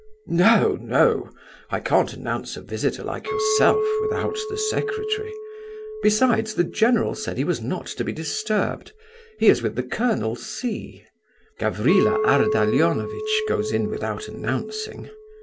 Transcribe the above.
"No, no! I can't announce a visitor like yourself without the secretary. Besides the general said he was not to be disturbed—he is with the Colonel C—. Gavrila Ardalionovitch goes in without announcing."